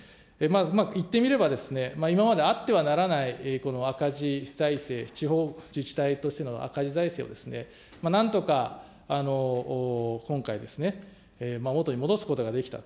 言ってみれば今まであってはならないこの赤字財政、地方自治体としての赤字財政をなんとか今回、元に戻すことができたと。